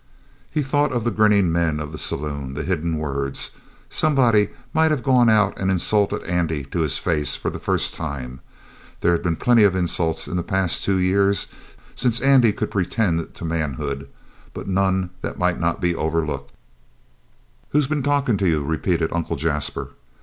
He thought of the grinning men of the saloon; the hidden words. Somebody might have gone out and insulted Andy to his face for the first time. There had been plenty of insults in the past two years, since Andy could pretend to manhood, but none that might not be overlooked. "Who's been talkin' to you?" repeated Uncle Jasper.